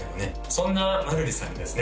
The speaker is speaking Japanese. そんなまるりさんにですね